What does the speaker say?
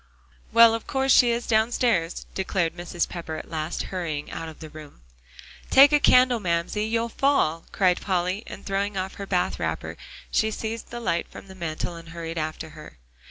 "Well, of course she is downstairs," declared Mrs. Pepper at last, hurrying out of the room. "Take a candle, Mamsie, you'll fall," cried Polly, and throwing on her bath wrapper, she seized the light from the mantel and hurried after her.